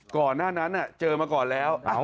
ก่อนหน้านั้นเจอมาก่อนแล้ว